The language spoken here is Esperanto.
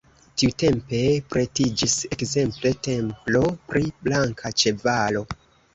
Tiutempe pretiĝis ekzemple templo pri Blanka Ĉevalo.